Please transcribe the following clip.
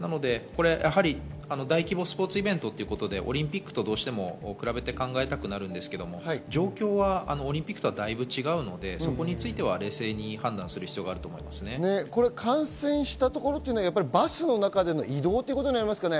大規模スポーツイベントということでオリンピックとどうしても比べて考えたくなるんですけれども、状況はオリンピックとはだいぶ違うので、そこは冷静に判断する必感染したところはバスの中での移動になりますかね。